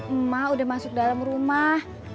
emak udah masuk dalam rumah